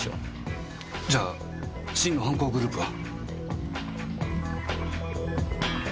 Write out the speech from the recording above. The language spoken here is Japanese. じゃあ真の犯行グループは？